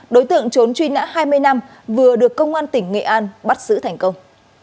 đối tượng trốn truy nã hai mươi năm vừa được công an tỉnh nghệ an bắt giữ thành công